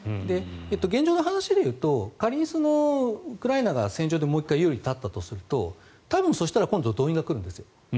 現状の話で言うと仮にウクライナが戦場でもう１回、優位に立ったとすると多分、今度動員が来るんですよ。